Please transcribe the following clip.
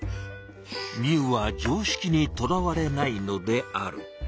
ミウはじょうしきにとらわれないのである。